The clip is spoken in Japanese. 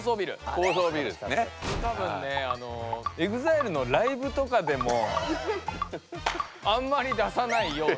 これたぶんねＥＸＩＬＥのライブとかでもあんまり出さないような。